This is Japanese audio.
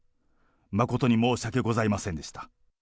誠に申し訳ございませんでした。